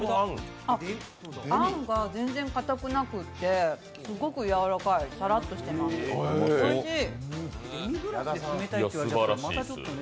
あんが全然かたくなくて、すごくやわらかい、さらっとしてます、おいしい。